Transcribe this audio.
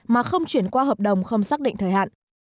mà không chuyển qua hợp đồng không xác định thời hạn